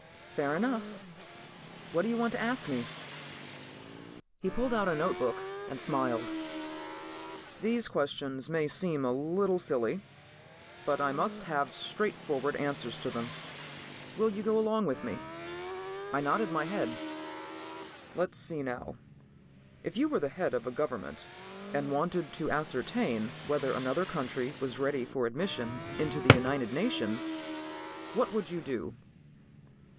"Fair enough. What do you want to ask me?" He pulled out a notebook and smiled. "These questions may seem a little silly but I must have straight answers to them. Will you go along with me?" I nodded my head. "Let's see now. If you were the head of a government and wanted to ascertain whether another country was ready for admission into the United Nations, what would you do?"